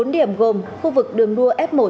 bốn điểm gồm khu vực đường đua f một